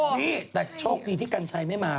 นี่แต่โชคดีที่กัญชัยไม่มา